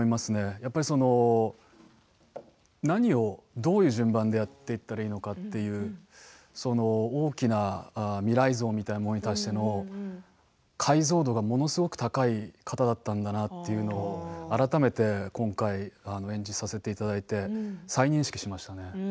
やっぱり、その何をどういう順番でやっていったらいいのかというその大きな未来像みたいなものに対しての解像度がものすごく高い方だったんだなというのを改めて今回、演じさせていただいて再認識しましたね。